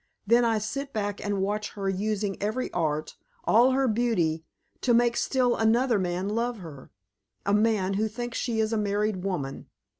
Then I sit back and watch her using every art all her beauty to make still another man love her, a man who thinks she is a married woman.